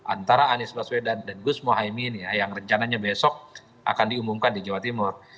antara anies baswedan dan gus mohaimin yang rencananya besok akan diumumkan di jawa timur